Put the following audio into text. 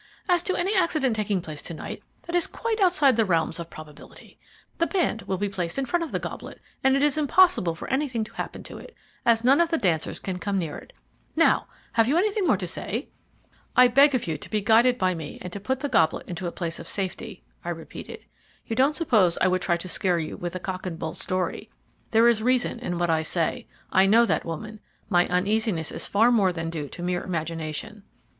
As to any accident taking place to night, that is quite outside the realms of probability. The band will be placed in front of the goblet, and it is impossible for anything to happen to it, as none of the dancers can come near it. Now, have you anything more to say?" "I beg of you to be guided by me and to put the goblet into a place of safety," I repeated. "You don't suppose I would try to scare you with a cock and bull story. There is reason in what I say. I know that woman, my uneasiness is far more than due to mere imagination."